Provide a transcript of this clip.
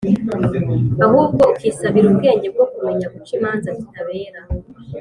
ahubwo ukisabira ubwenge bwo kumenya guca imanza zitabera;